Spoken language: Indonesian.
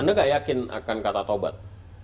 anda gak yakin akan kata taubat